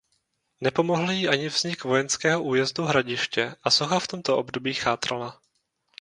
Nepomohl jí ani vznik vojenského újezdu Hradiště a socha v tomto období chátrala.